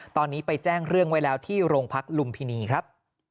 ตอนนี้ไปแจ้งเรื่องไว้แล้วที่โรงพักลุมพินีครับ